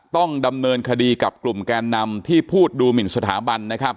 ต้องดำเนินคดีกับกลุ่มแกนนำที่พูดดูหมินสถาบันนะครับ